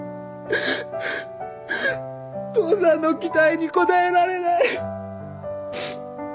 父さんの期待に応えられない。